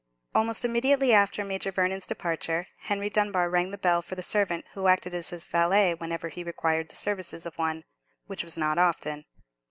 Almost immediately after Major Vernon's departure, Henry Dunbar rang the bell for the servant who acted as his valet whenever he required the services of one, which was not often.